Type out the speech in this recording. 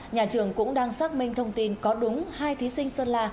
nhà trường cũng đang xác minh thông tin có đúng hai thí sinh sơn la